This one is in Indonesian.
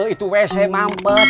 itu wc mampet